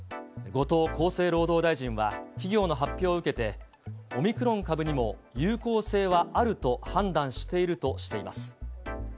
後藤厚生労働大臣は、企業の発表を受けて、オミクロン株にも有効性はあると判断しているとしています。